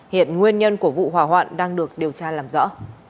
hiện nguyên nhân của vụ hỏa hoạn đang được điều tra làm rõ